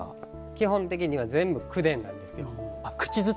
基本的には全部口伝なんですよ。